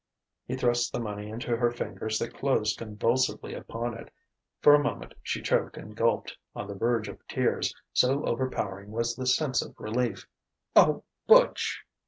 He thrust the money into her fingers that closed convulsively upon it. For a moment she choked and gulped, on the verge of tears, so overpowering was the sense of relief. "O Butch